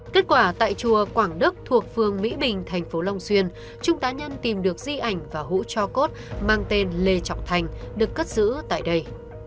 kết quả tại chùa quảng đức thuộc phường mỹ bình thành phố long xuyên trung tá nhân tìm được di ảnh và hũ cho cốt mang tên lê trọng thành được cất giữ tại đây